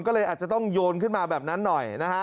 ก็เลยอาจจะต้องโยนขึ้นมาแบบนั้นหน่อยนะฮะ